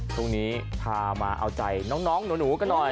ช่วงนี้พามาเอาใจน้องหนูกันหน่อย